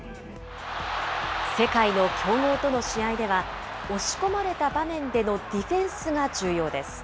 世界の強豪との試合では、押し込まれた場面でのディフェンスが重要です。